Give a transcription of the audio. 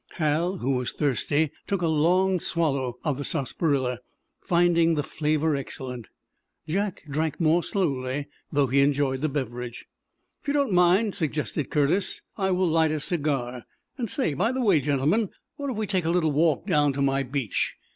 Hal, who was thirsty, took a long swallow of the sarsaparilla, finding the flavor excellent. Jack drank more slowly, though he enjoyed the beverage. "If you don't mind," suggested Curtis, "I will light a cigar. And say, by the way, gentlemen, what if we take a little walk down to my beach?